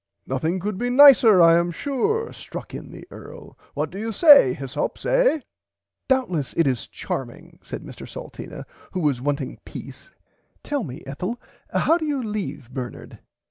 Nothing could be nicer I am sure struck in the earl what do you say Hyssops eh. Doubtless it is charming said Mr Salteena who was wanting peace tell me Ethel how did you leave Bernard.